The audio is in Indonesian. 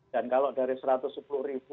dan kalau dari rp satu ratus sepuluh